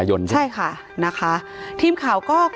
ในงานบวงสูงพระยาตาวงอยที่จังหวัดสกลนครค่ะ